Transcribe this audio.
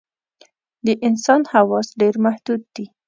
د انسان حواس ډېر محدود دي.